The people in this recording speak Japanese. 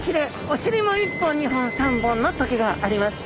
おしりも１本２本３本の棘があります。